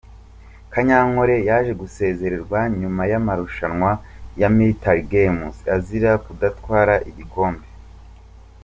Kanyankore yaje gusezererwa nyuma y'amarushanwa ya Military Games azira kudatwara igikombe.